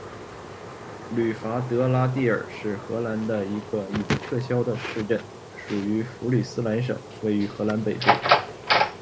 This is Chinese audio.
吕伐德拉蒂尔是荷兰的一个已被撤销的市镇，属于弗里斯兰省，位于荷兰北部。